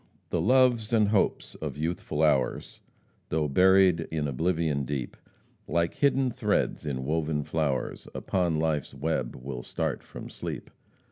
"The loves and hopes of youthful hours, Though buried in oblivion deep, Like hidden threads in woven flowers, Upon life's web will start from sleep.